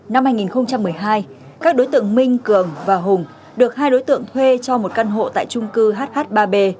năm hai nghìn một mươi hai các đối tượng minh cường và hùng được hai đối tượng thuê cho một căn hộ tại trung cư hh ba b